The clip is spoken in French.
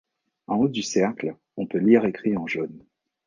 En haut du cercle, on peut lire écrit en jaune.